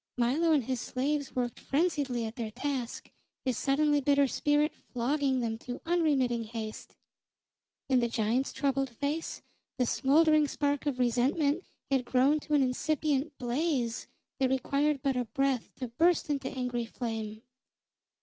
Milo and his slaves worked frenziedly at their task, his suddenly bitter spirit flogging them to unremitting haste. In the giant's troubled face the smoldering spark of resentment had grown to an incipient blaze that required but a breath to burst into angry flame.